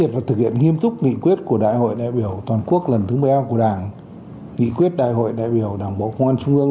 thưa quý vị thực tiễn lãnh đạo của đảng